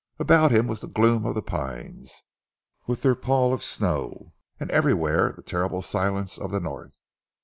About him was the gloom of the pines, with their pall of snow, and everywhere the terrible silence of the North.